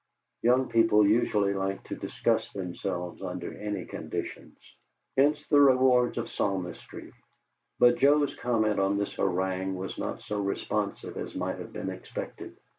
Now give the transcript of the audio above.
Young people usually like to discuss themselves under any conditions hence the rewards of palmistry, but Joe's comment on this harangue was not so responsive as might have been expected.